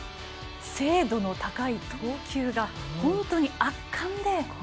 精度の高い投球が本当に圧巻で。